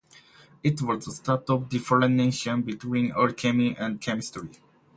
It was the start of differentiation between alchemy and chemistry.